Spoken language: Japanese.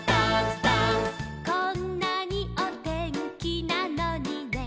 「こんなにお天気なのにね」